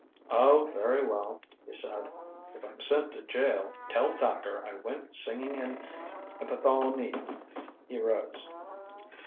"Oh, very well," he said. "If I'm sent to jail, tell Thacker I went singing an epithalamium." He rose.